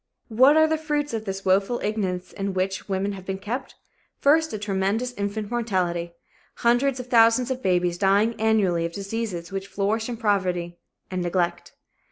What are the fruits of this woeful ignorance in which women have been kept? First, a tremendous infant mortality hundreds of thousands of babies dying annually of diseases which flourish in poverty and neglect.